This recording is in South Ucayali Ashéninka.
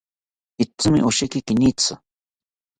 Itzimi osheki kinitzi